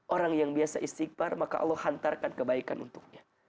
orang yang biasa istighfar maka allah hantarkan kebaikan untuknya